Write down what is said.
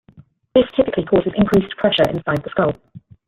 This typically causes increased pressure inside the skull.